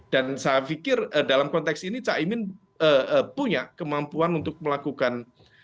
dan saya pikir dalam konteks ini cak imin punya kemampuan untuk melakukan